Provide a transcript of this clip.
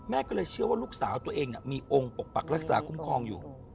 ก็เลยเชื่อว่าลูกสาวตัวเองมีองค์ปกปักรักษาคุ้มครองอยู่